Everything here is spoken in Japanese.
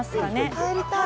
入りたい。